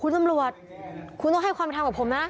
คุณตำรวจคุณต้องให้ความเป็นธรรมกับผมนะ